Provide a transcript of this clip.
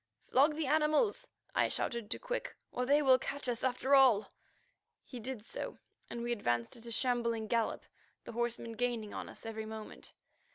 "Flog the animals," I shouted to Quick, "or they will catch us after all." He did so, and we advanced at a shambling gallop, the horsemen gaining on us every moment.